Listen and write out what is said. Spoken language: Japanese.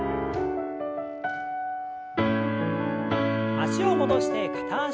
脚を戻して片脚跳び。